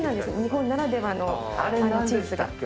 日本ならではのチーズが。